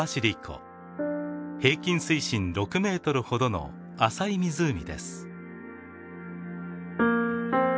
平均水深６ｍほどの浅い湖です。